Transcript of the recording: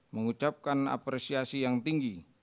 mengucapkan apresiasi yang tinggi